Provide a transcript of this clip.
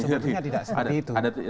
sebetulnya tidak seperti itu